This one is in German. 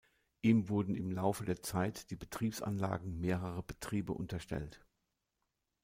Ihm wurden im Laufe der Zeit die Betriebsanlagen mehrerer Betriebe unterstellt.